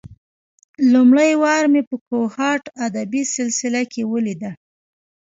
لومړۍ وار مې په کوهاټ ادبي سلسله کې ولېده.